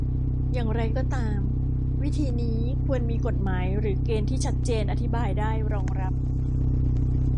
อย่างไรก็ตาม วิธีนี้ควรมีกฎหมายหรือเกณฑ์ที่ชัดเจนอธิบายได้รองรับ